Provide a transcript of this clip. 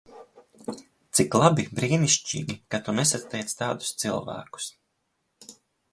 Cik labi, brīnišķīgi, ka tu nesatiec tādus cilvēkus.